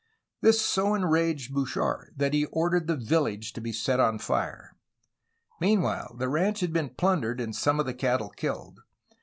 This so enraged Bouchard that he ordered the village to be set on fire. Meanwhile the ranch had been plundered and some of the cattle killed.